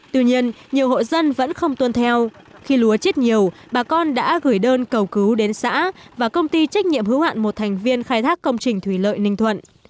tuy nhiên nhiều hộ dân vẫn không tuân theo khi lúa chết nhiều bà con đã gửi đơn cầu cứu đến xã và công ty trách nhiệm hữu hạn một thành viên khai thác công trình thủy lợi ninh thuận